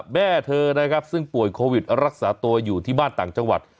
แม่เธอซึ่งป่วยโควิดบาทรัพย์รักษาตัวอยู่ที่บ้านต่างจังหวัด